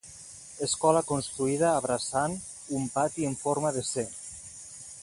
Escola construïda abraçant un pati en forma de ce.